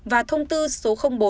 và thông tư số bốn